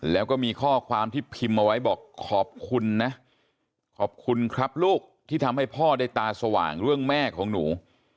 แล้วก็มีข้อความที่พิมพ์เอาไว้บอกขอบคุณนะขอบคุณครับลูกที่ทำให้พ่อได้ตาสว่างเรื่องแม่ของหนู